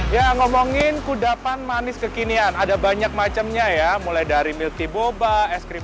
ya ngomongin kudapan manis kekinian ada banyak macamnya ya mulai dari milky boba es krim